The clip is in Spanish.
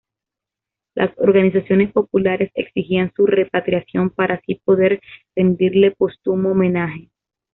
Las organizaciones populares exigían su repatriación para así poder rendirle póstumo homenaje.